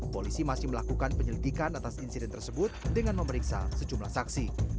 polisi masih melakukan penyelidikan atas insiden tersebut dengan memeriksa sejumlah saksi